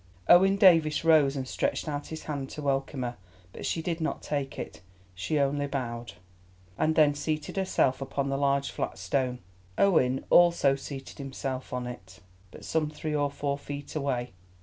Owen Davies rose and stretched out his hand to welcome her, but she did not take it, she only bowed, and then seated herself upon the large flat stone. Owen also seated himself on it, but some three or four feet away.